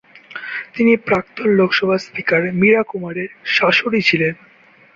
তিনি প্রাক্তন লোকসভা স্পিকার মীরা কুমারের শাশুড়ি ছিলেন।